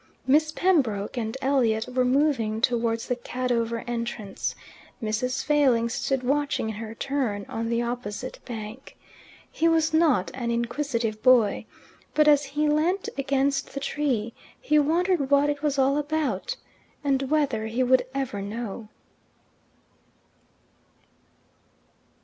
Miss Pembroke and Elliot were moving towards the Cadover entrance. Mrs. Failing stood watching in her turn on the opposite bank. He was not an inquisitive boy; but as he leant against the tree he wondered what it was all about, and whether he would ever know.